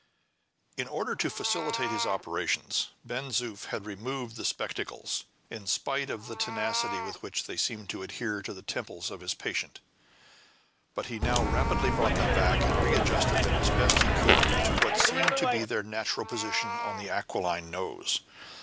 In order to facilitate his operations, Ben Zoof had removed the spectacles in spite of the tenacity with which they seemed to adhere to the temples of his patient; but he now rapidly brought them back and readjusted them as best he could to what seemed to be their natural position on the aquiline nose.